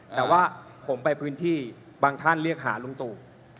แต่ว่าผมไปพื้นที่บางท่านเรียกหาลุงตู่